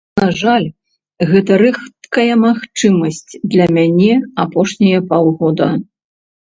На жаль, гэта рэдкая магчымасць для мяне апошнія паўгода.